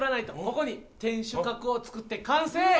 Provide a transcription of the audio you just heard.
ここに天守閣を作って完成。